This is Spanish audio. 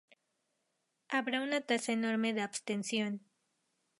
Habrá una tasa enorme de abstención.